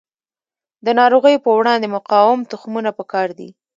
د ناروغیو په وړاندې مقاوم تخمونه پکار دي.